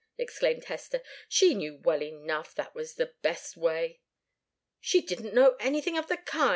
exclaimed Hester. "She knew well enough that was the best way " "She didn't know anything of the kind.